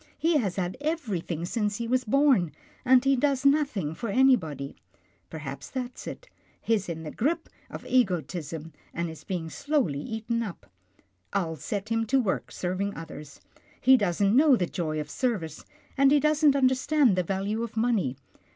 He has had everything since he was born, and he does nothing for any body. Perhaps that's it — he's in the grip of ego tism and is being slowly eaten up. I'll set him to work serving others. He doesn't know the joy of service, and he doesn't understand the value of money.